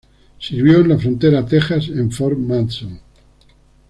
Sirvió en la frontera Texas en Fort Mason.